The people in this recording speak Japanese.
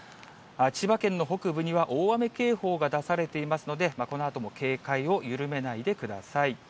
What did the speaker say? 千葉県の北部には大雨警報が出されていますので、このあとも警戒を緩めないでください。